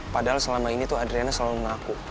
padahal selama ini tuh adriana selalu mengaku